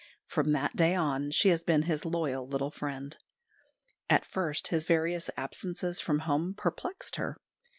From that day on she has been his loyal little friend. At first his various absences from home perplexed her.